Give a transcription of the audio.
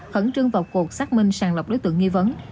khẩn trương vào cuộc xác minh sàng lọc đối tượng nghi vấn